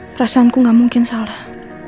perasaanku nggak mungkin salah